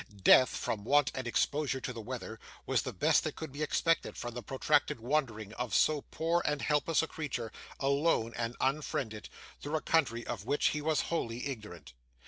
Death, from want and exposure to the weather, was the best that could be expected from the protracted wandering of so poor and helpless a creature, alone and unfriended, through a country of which he was wholly ignorant.